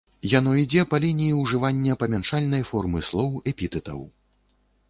Яно ідзе па лініі ўжывання памяншальнай формы слоў, эпітэтаў.